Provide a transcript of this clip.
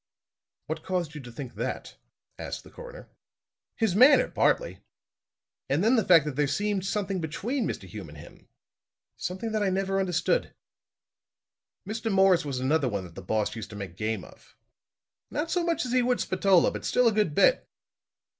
"What caused you to think that?" asked the coroner. "His manner, partly, and then the fact that there seemed something between Mr. Hume and him something that I never understood. Mr. Morris was another one that the boss used to make game of. Not so much as he would Spatola, but still a good bit.